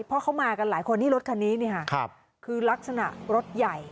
พอเขามากับหลายคนที่รถคันนี้เนี่ยค่ะคือลักษณะรถใหญ่